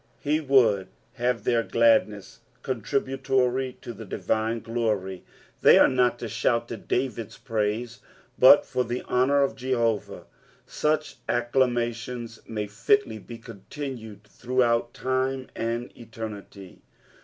''' He would have tlieir gladness con tributory to the divine glory ; they are not to shout to David's praise, but for the honour of Jehovah. Such acclamations may fitly be continued throughout time and eternity.